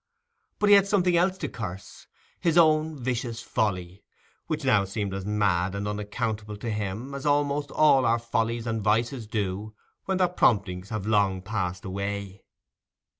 But he had something else to curse—his own vicious folly, which now seemed as mad and unaccountable to him as almost all our follies and vices do when their promptings have long passed away.